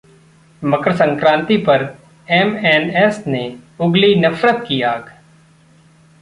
मकर संक्राति पर एमएनएस ने उगली नफरत की आग